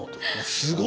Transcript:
すごい！